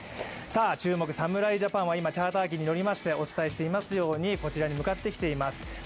注目、侍ジャパンは今、チャーター機に乗りましてこちらに向かってきています。